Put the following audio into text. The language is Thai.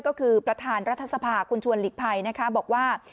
ก็คือประธานรัฐสภาคุณชวนหลีกภัยนะคะบอกว่า